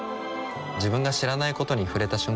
自分が知らないことに触れた瞬間